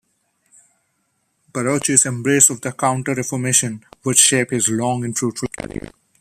Barocci's embrace of the Counter Reformation would shape his long and fruitful career.